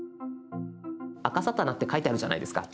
「あかさたな」って書いてあるじゃないですか。